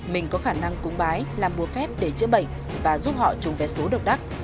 mình có khả năng cúng bái làm mua phép để chữa bệnh và giúp họ trùng vé số độc đắt